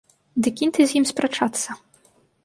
Ды кінь ты з ім спрачацца.